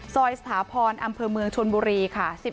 สถาพรอำเภอเมืองชนบุรีค่ะ